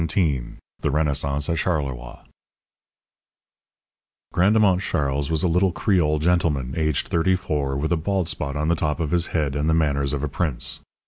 XVII THE RENAISSANCE AT CHARLEROI Grandemont Charles was a little Creole gentleman, aged thirty four, with a bald spot on the top of his head and the manners of a prince.